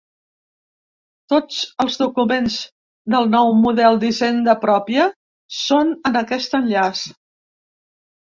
Tots els documents del nou model d’hisenda pròpia són en aquest enllaç.